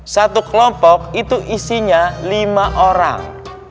satu kelompok itu isinya lima orang